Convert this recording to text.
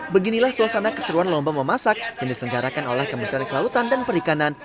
beginilah suasana keseruan lomba memasak yang diselenggarakan oleh kementerian kelautan dan perikanan